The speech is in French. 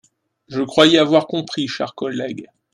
Je croyais avoir compris, chers collègues.